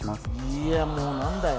いやもう何だよ